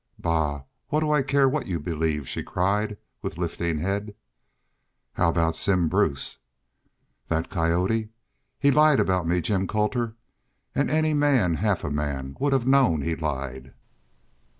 "Bah! What do I care what y'u believe?" she cried, with lifting head. "How aboot Simm Brace?" "That coyote! ... He lied aboot me, Jim Colter. And any man half a man would have known he lied."